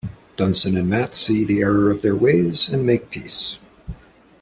Dunson and Matt see the error of their ways and make peace.